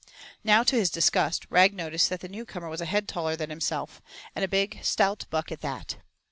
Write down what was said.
Now to his disgust Rag noticed that the new comer was a head taller than himself, and a big, stout buck at that.